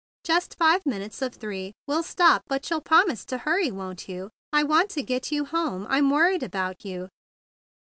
"Just five minutes of three. We'll stop, but you'll promise to hurry, won't you? I want to get you home. I'm worried about you."